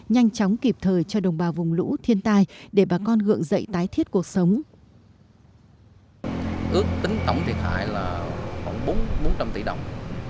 nhanh chóng kịp thời cho đồng bào vùng lũ thiên tai để bà con gượng dậy tái thiết cuộc sống